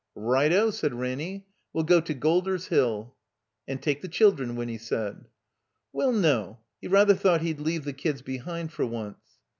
"Right— O!" said Ranny. "We'll go to Golder's Hill." "And take the children," Winny said. Well, no, he rather thought he'd leave the kids behind for once.